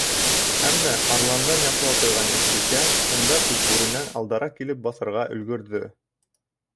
Әммә арландан яҡлау тойған Йәшбикә унда Күкбүренән алдараҡ килеп баҫырға өлгөрҙө.